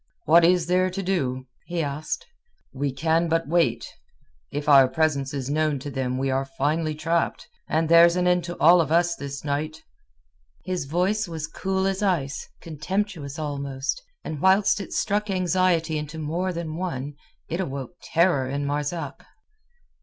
What is there to do?" he asked. "We can but wait. If our presence is known to them we are finely trapped, and there's an end to all of us this night." His voice was cool as ice, contemptuous almost, and whilst it struck anxiety into more than one it awoke terror in Marzak.